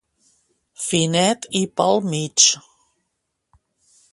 Finet i pel mig.